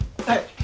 はい。